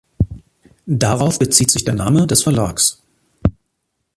Darauf bezieht sich der Name des Verlags.